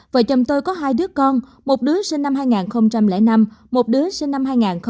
vợ chồng tôi có hai đứa con một đứa sinh năm hai nghìn năm một đứa sinh năm hai nghìn một mươi